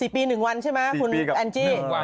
๔ปี๑วันใช่ไหมคุณแอนจี้